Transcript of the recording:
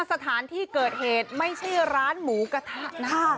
สถานที่เกิดเหตุไม่ใช่ร้านหมูกระทะนะคะ